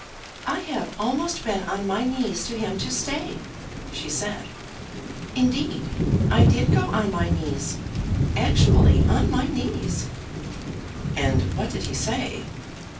"I have almost been on my knees to him to stay," she said. "Indeed, I did go on my knees, actually on my knees." "And what did he say?"